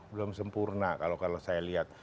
belum sempurna kalau saya lihat